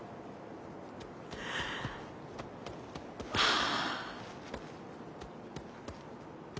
はあ。